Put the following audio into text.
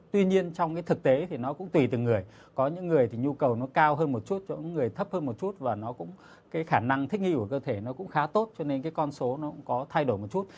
tuy nhiên trong cái thực tế thì nó cũng tùy từng người có những người thì nhu cầu nó cao hơn một chút chỗ người thấp hơn một chút và nó cũng cái khả năng thích nghi của cơ thể nó cũng khá tốt cho nên cái con số nó cũng có thay đổi một chút